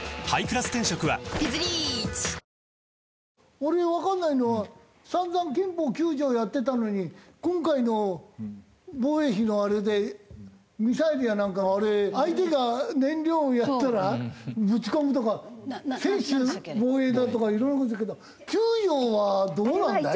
俺わかんないのは散々憲法９条やってたのに今回の防衛費のあれでミサイルやなんかはあれ相手が燃料をやったらぶち込むとか専守防衛だとかいろんな事言うけど９条はどうなんだい？